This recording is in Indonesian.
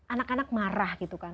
anak anak marah gitu kan